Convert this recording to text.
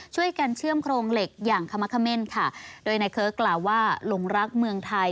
ช่วยกันเชื่อมโครงเหล็กอย่างขมะเขม่นค่ะโดยนายเคิร์กกล่าวว่าหลงรักเมืองไทย